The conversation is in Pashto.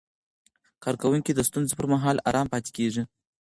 کارکوونکي د ستونزو پر مهال آرام پاتې کېږي.